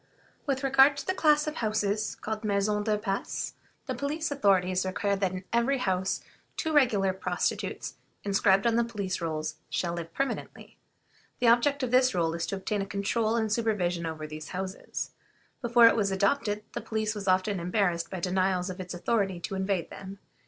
With regard to the class of houses called maisons de passe (assignation houses), the police authorities require that in every such house two regular prostitutes, inscribed on the police rolls, shall live permanently. The object of this rule is to obtain a control and supervision over these houses. Before it was adopted the police was often embarrassed by denials of its authority to invade them.